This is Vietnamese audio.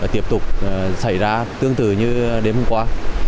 tiếp tục xảy ra tương tự như đêm hôm qua